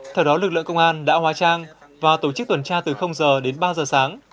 theo đó lực lượng công an đã hóa trang và tổ chức tuần tra từ giờ đến ba giờ sáng